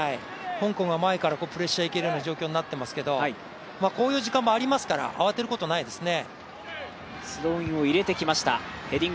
香港は前からプレッシャーいけるような状況になってますけど、こういう時間もありますから慌てることはないですね。